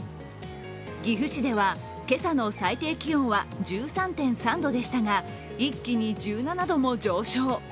岐阜市では今朝の最低気温は１３．３度でしたが一気に１７度も上昇。